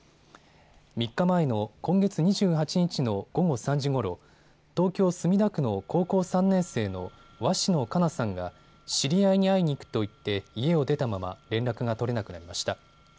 ３日前の今月２８日の午後３時ごろ東京墨田区の高校３年生の鷲野花夏さんが知り合いに会いに行くと言って家を出たまま連絡が取れなくなりました。